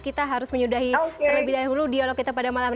kita harus menyudahi terlebih dahulu dialog kita pada malam ini